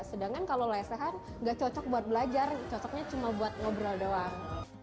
sedangkan kalau lesehan tidak cocok untuk belajar cocoknya cuma untuk berbicara saja